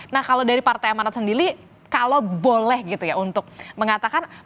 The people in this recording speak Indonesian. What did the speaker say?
nah kalau dari partai amanat sendiri kalau boleh gitu ya untuk mengatakan